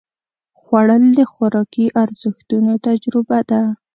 خوړل د خوراکي ارزښتونو تجربه ده